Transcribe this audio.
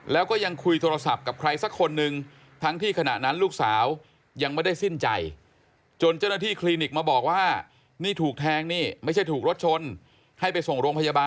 แล้วก็ยังคุยโทรศัพท์กับใครสักคนหนึ่ง